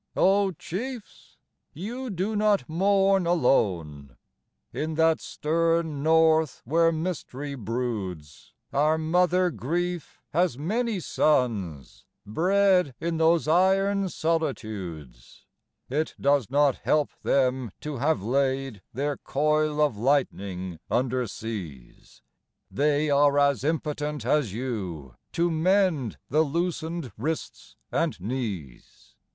O chiefs, you do not mourn alone! In that stern North where mystery broods, Our mother grief has many sons Bred in those iron solitudes. It does not help them, to have laid Their coil of lightning under seas; They are as impotent as you To mend the loosened wrists and knees.